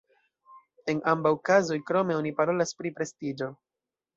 En ambaŭ kazoj, krome, oni parolas pri prestiĝo.